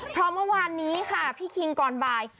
เพราะเมื่อวานนี้ค่ะพี่คิงก่อนบ่าย